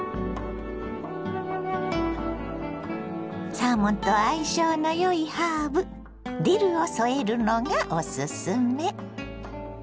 サーモンと相性のよいハーブディルを添えるのがおすすめ。